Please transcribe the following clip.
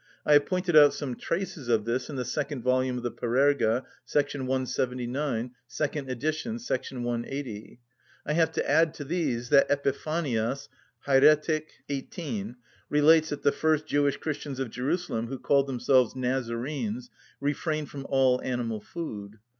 I have pointed out some traces of this in the second volume of the Parerga, § 179 (second edition, § 180). I have to add to these that Epiphanias (Hæretic. xviii.) relates that the first Jewish Christians of Jerusalem, who called themselves Nazarenes, refrained from all animal food.